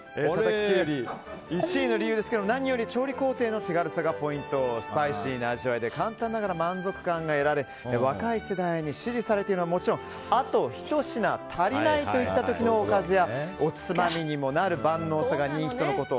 １位の理由ですが何より調理工程の手軽さがポイント、スパイシーな味わいで満足感が得られ、若い世代に支持されているのはもちろんあとひと品足りない時のおかずやおつまみにもなる万能さが人気とのこと。